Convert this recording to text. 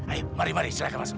ayo mari mari silahkan masuk